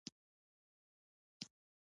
آیا د ایران علم پرمختللی نه دی؟